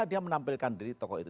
dia menampilkan diri tokoh itu